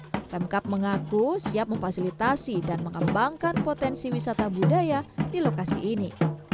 pemkap mengaku siap memfasilitasi dan mengembangkan potensi wisata budaya di lokasi ini